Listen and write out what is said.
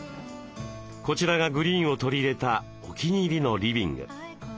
こちらがグリーンを取り入れたお気に入りのリビング。